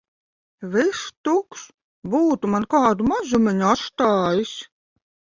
Viss tukšs. Būtu man kādu mazumiņu atstājis!